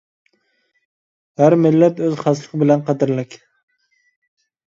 ھەر مىللەت ئۆز خاسلىقى بىلەن قەدىرلىك.